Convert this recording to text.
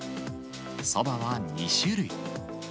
そばは２種類。